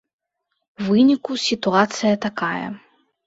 У выніку сітуацыя такая.